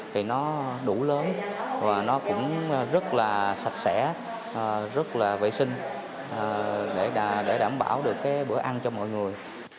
thì nó đủ lớn và nó cũng rất là sạch sẽ rất là vệ sinh để đảm bảo được cái bữa ăn cho mọi người